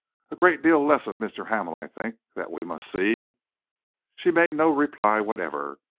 A great deal less of Mr. Hamel I think that we must see." She made no reply whatever.